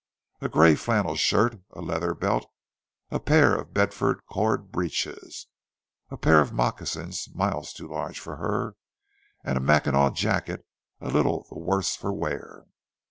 A grey flannel shirt, a leather belt, a pair of Bedford cord breeches, a pair of moccasins, miles too large for her, and a mackinaw jacket a little the worse for wear.